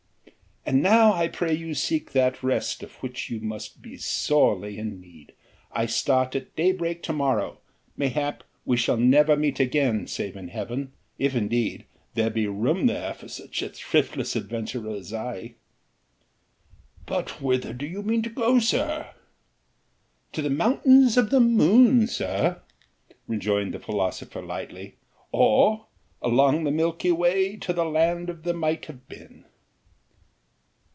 And now I pray you seek that rest of which you must be sorely in need. I start at daybreak to morrow: mayhap we shall never meet again, save in Heaven, if indeed, there be room there for such a thriftless adventurer as I." "But whither do you mean to go, sir?" "To the mountains of the moon, sir," rejoined the philosopher lightly, "or along the milky way to the land of the Might Have Been."